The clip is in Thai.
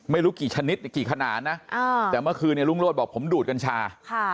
ไม่รู้กี่ชนิดกี่ขนาดนะแต่เมื่อคืนเนี่ยลุงโรธบอกผมดูดกัญชา